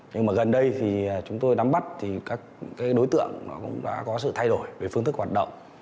nhưng mà gần đây thì chúng tôi đắm bắt thì các đối tượng cũng đã có sự thay đổi về phương thức hoạt động